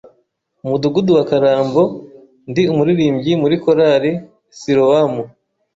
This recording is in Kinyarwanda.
umudugudu wa Karambo, ndi umuririmbyi muri Chorale Silowamu.